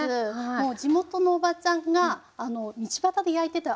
もう地元のおばちゃんが道端で焼いてた開いてたね